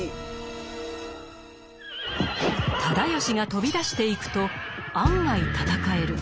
直義が飛び出していくと案外戦える。